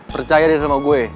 percaya deh sama gue